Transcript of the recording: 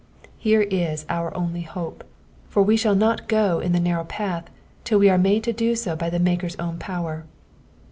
Here is our only hope ; for we shall not go in the narrow path till we are made to do so by the Maker's own power.